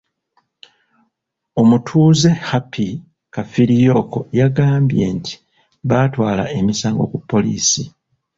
Omutuuze Happy Kafiriyooko yagambye nti baatwala emisango ku poliisi.